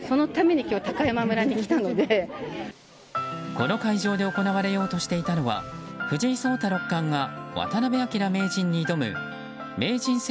この会場で行われようとしていたのは藤井聡太六冠が渡辺明名人に挑む名人戦